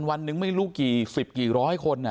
วันหนึ่งไม่รู้กี่สิบกี่ร้อยคน